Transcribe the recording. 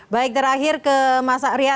baik terakhir ke mas aria